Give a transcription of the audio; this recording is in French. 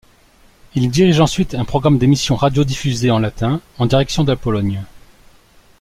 Il dirige ensuite un programme d'émissions radiodiffusées en latin en direction de la Pologne.